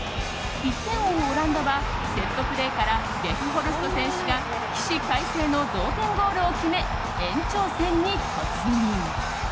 １点を追うオランダはセットプレーからヴェフホルスト選手が起死回生の同点ゴールを決め延長戦に突入。